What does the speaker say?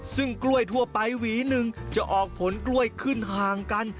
ซึ่งกล้วยทั่วไปหวีหนึ่งจะออกผลกล้วยขึ้นห่างกัน